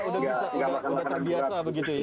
udah terbiasa begitu ya